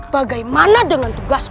bagaimana dengan tugasmu